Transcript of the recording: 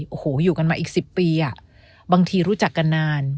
โอ้โหอยู่กันมาอีก๑๐ปีบางทีรู้จักกันนาน